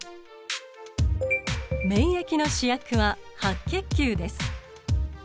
免疫の主役は白血球です。